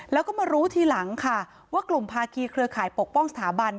แล้วก็มารู้ทีหลังค่ะว่ากลุ่มภาคีเครือข่ายปกป้องสถาบัน